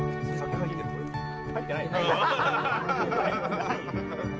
入ってないよ。